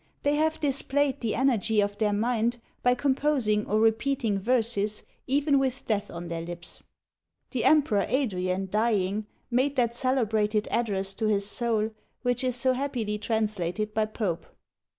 They have displayed the energy of their mind by composing or repeating verses, even with death on their lips. The Emperor Adrian, dying, made that celebrated address to his soul, which is so happily translated by Pope.